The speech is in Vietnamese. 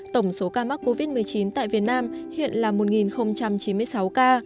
tổng số ca mắc covid một mươi chín tại việt nam hiện là một chín mươi sáu ca